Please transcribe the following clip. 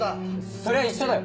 そりゃ一緒だよ。